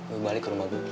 lo balik ke rumah gue